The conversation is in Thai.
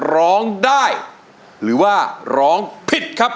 ร้องได้หรือว่าร้องผิดครับ